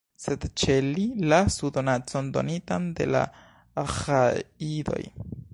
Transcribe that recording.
Sed ĉe li lasu donacon, donitan de la Aĥajidoj.